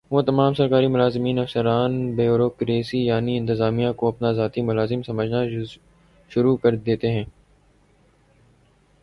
وہ تمام سرکاری ملازمین افسران بیورو کریسی یعنی انتظامیہ کو اپنا ذاتی ملازم سمجھنا شروع کر دیتے ہیں ۔